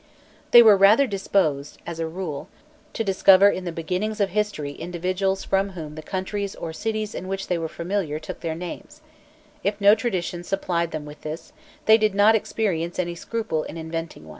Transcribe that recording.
They were rather disposed, as a rule, to discover in the beginnings of history individuals from whom the countries or cities with which they were familiar took their names: if no tradition supplied them with this, they did not experience any scruple in inventing one.